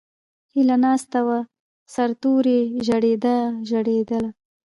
ھیلہ ناستہ وہ سر توریی ژڑیدلہ، ژڑیدلہ